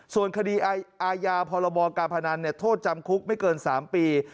ส่วนคดีอาญาพรบการพนันโทษจำคุกไม่เกิน๓ปี